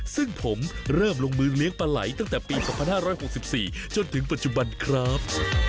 ซึ่งผมเริ่มลงมือเลี้ยงปลาไหล่ตั้งแต่ปีประมาณห้าร้อยหกสิบสี่จนถึงปัจจุบันครับ